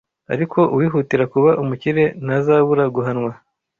Ariko uwihutira kuba umukire ntazabura guhanwa.